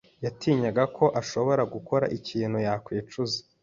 yatinyaga ko ashobora gukora ikintu yakwicuza.